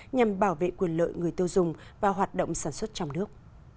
nhằm bảo vệ quyền lợi người tiêu dùng và hoạt động sản xuất trong nước